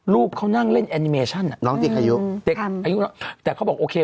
ลูกเขานั่งเล่นแอนิเมชั่นน้องจีกอายุแต่เขาบอกโอเค